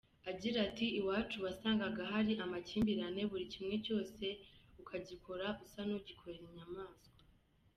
Agira ati :”Iwacu wasangaga hari amakimbirane, buri kimwe cyose ukagikora usa n’ugikorera inyamaswa”.